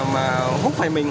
mà hút phải mình